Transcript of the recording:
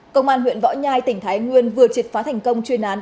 công an huyện võ nhai tỉnh thái nguyên vừa triệt phá thành công chuyên án